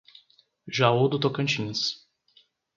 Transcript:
Jaú do Tocantins